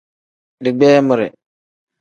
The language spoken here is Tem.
Digbeemire.